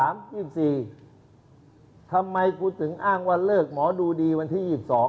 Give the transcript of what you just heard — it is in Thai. ทำไมคุณไม่กลับปี๒๓๒๔ทำไมคุณถึงอ้างว่าเลิกหมอดูดีวันที่๒๒